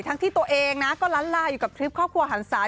ที่ตัวเองนะก็ล้านลาอยู่กับทริปครอบครัวหันศา